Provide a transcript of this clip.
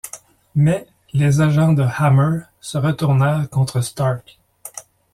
Mais, les agents de Hammer se retournèrent contre Stark.